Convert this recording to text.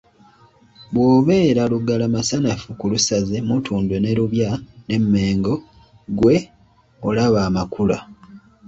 "Bw’obeera Lugala Masanafu ku Lusaze, Mutundwe ne Lubya n’eMengo ggwe olaba amakula."